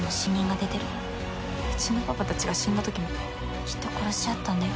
「うちのパパたちが死んだときもきっと殺し合ったんだよ」